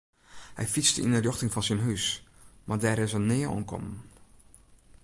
Hy fytste yn 'e rjochting fan syn hús mar dêr is er nea oankommen.